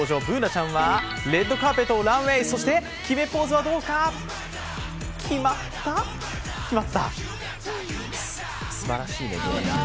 Ｂｏｏｎａちゃんはレッドカーペットをランウェイ、そして決めポーズはどうだ？